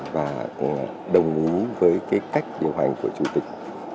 và đồng ý với cái cách điều hành của chủ tịch